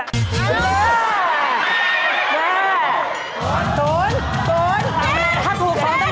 ดี